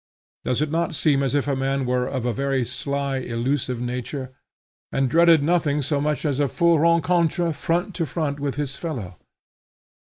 Does it not seem as if man was of a very sly, elusive nature, and dreaded nothing so much as a full rencontre front to front with his fellow?